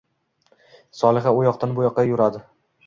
Solixa u yoqdan bu yoqqa yuradi...